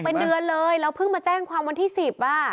เป็นเดือนเลยแล้วเพิ่งมาแจ้งความวันที่สิบอ่ะ